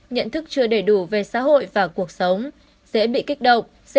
nhận thức chưa đầy đủ về xã hội và cuộc sống dễ bị kích động